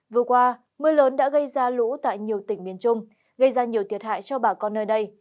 vừa qua mưa lớn đã gây ra lũ tại nhiều tỉnh miền trung gây ra nhiều thiệt hại cho bà con nơi đây